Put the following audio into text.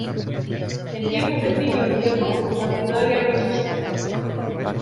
En tiempos de Plinio el Viejo, la ciudad ya no existía.